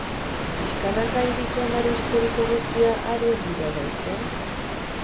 Pixkanaka, hiriko ondare historiko guztia ari al dira eraisten?